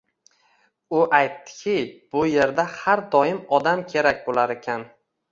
U aytdiki, bu erda har doim odam kerak bo`lar ekan